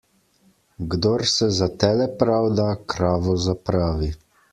Kdor se za tele pravda, kravo zapravi.